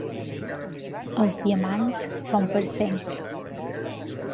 Els diamants són per sempre.